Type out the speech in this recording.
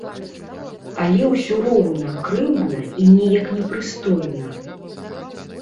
Але ўсе роўна крыўдна і неяк непрыстойна.